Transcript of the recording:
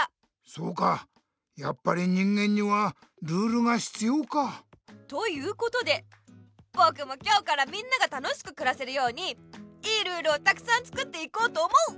そうかやっぱり人間にはルールが必要か。ということでぼくも今日からみんながたのしくくらせるようにいいルールをたくさん作っていこうと思う！